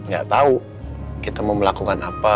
gak tahu kita mau melakukan apa